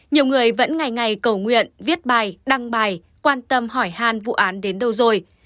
nhiều người vẫn ngày ngày cầu nguyện viết bài đăng bài quan tâm hỏi hàn vụ án đến đâu rồi